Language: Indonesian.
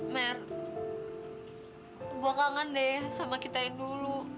mer gue kangen deh sama kita yang dulu